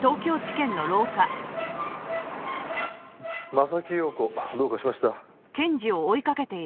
柾庸子どうかしました？